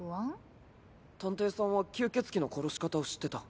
探偵さんは吸血鬼の殺し方を知ってた。